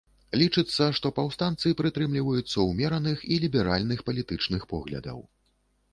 Лічыцца, што паўстанцы прытрымліваюцца ўмераных і ліберальных палітычных поглядаў.